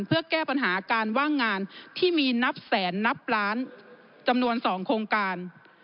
เพื่อแก้ปัญหาการว่างงานที่มีนับแสนนับล้านจำนวน๒โครงการ